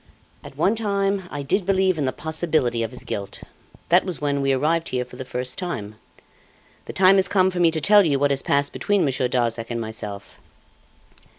"At one time I did believe in the possibility of his guilt. That was when we arrived here for the first time. The time has come for me to tell you what has passed between Monsieur Darzac and myself."